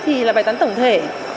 thì là bài tán tổng thể